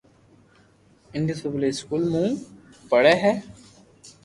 انڌس پبلڪ اسڪول مون پڙي ھي